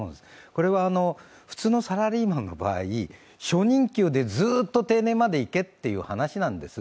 これは、普通のサラリーマンの場合初任給でずっと定年までいけっていうことなんです。